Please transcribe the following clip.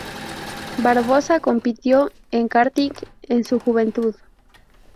Barbosa compitió en karting en su juventud.